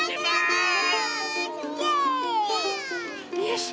よし。